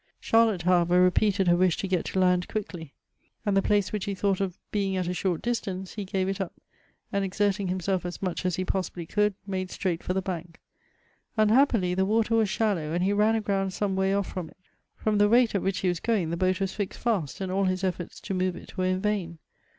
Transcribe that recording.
Charlotte, however, repeated her wish to get to land quickly, and the place which he 108 Goethe's thought of being at a short distance, he gave it up, and exerting himself as much as he possibly could, made straight foi the bank. Unhappily the water was shallow, and he ran aground some way off from it. From the rate at which he was going the boat was fixed fast, and all his efforts to inove it were in vain.